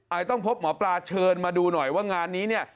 อาจจะต้องพบหมอปลาเชิญมาดูหน่อยว่างานนี้